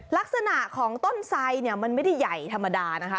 ลักษณะของต้นไสเนี่ยมันไม่ได้ใหญ่ธรรมดานะคะ